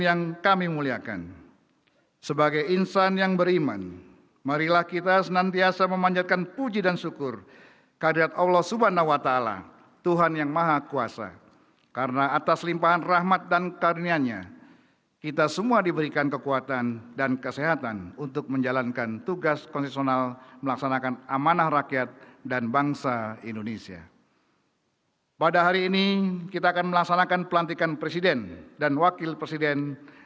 yang mulia scott merrison perdana menteri australia dan ibu jane marison